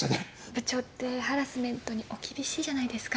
部長ってハラスメントにお厳しいじゃないですか。